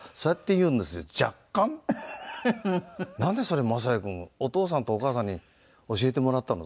「なんでそれ雅也君お父さんとお母さんに教えてもらったの？」。